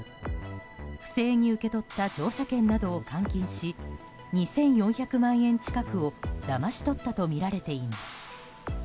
不正に受け取った乗車券などを換金し２４００万円近くをだまし取ったとみられています。